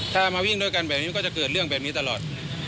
ถ้ามาวิ่งด้วยกันแบบนี้มันก็จะเกิดเรื่องแบบนี้ตลอด